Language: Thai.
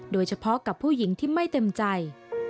โดยเฉพาะกับผู้หญิงที่ไม่เต็มใจ